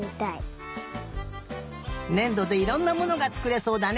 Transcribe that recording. ねんどでいろんなものがつくれそうだね。